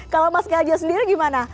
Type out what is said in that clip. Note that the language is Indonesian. kalau mas gajah sendiri gimana